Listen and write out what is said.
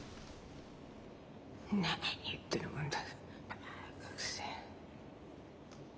何言ってるんだ。